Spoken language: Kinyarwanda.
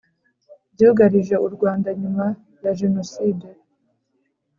byugarije u Rwanda nyuma ya Jenoside